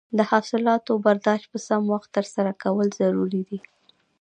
د حاصلاتو برداشت په سم وخت ترسره کول ضروري دي.